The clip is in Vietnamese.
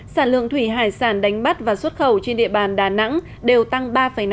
sản lượng thủy hải sản đánh bắt và xuất khẩu trên địa bàn đà nẵng đều tăng ba năm